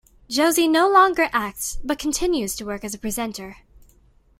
Josie no longer acts but continues to work as a presenter.